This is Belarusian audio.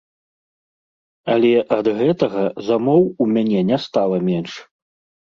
Але ад гэтага замоў у мяне не стала менш.